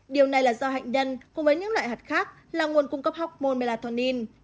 điều này là do hạnh nhân cùng với những loại hạt khác là nguồn cung cấp học môn melatonin